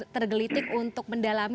tergelitik untuk mendalami